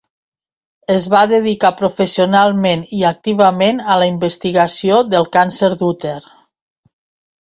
Es va dedicar professionalment i activament a la investigació del càncer d'úter.